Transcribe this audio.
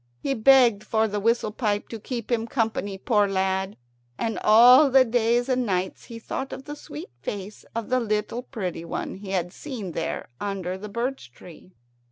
He begged for the whistle pipe to keep him company, poor lad, and all the days and nights he thought of the sweet face of the little pretty one he had seen there under the birch tree.